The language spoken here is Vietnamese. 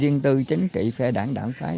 điện tư chính kỵ phe đảng đảng phái